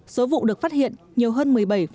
số vụ được phát hiện nhiều hơn một mươi bảy sáu mươi tám